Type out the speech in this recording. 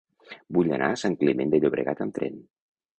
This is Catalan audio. Vull anar a Sant Climent de Llobregat amb tren.